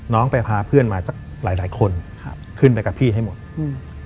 น้องไปพาเพื่อนมาจากหลายหลายคนครับขึ้นไปกับพี่ให้หมดอืม